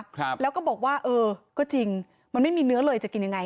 ครับแล้วก็บอกว่าเออก็จริงมันไม่มีเนื้อเลยจะกินยังไง